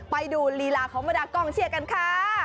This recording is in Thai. ไปดูลีลาของบรรดากองเชียร์กันค่ะ